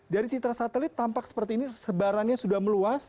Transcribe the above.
dari citra satelit tampak seperti ini sebarannya sudah meluas